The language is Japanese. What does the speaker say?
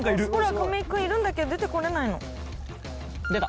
亀井君いるんだけど出てこれないの。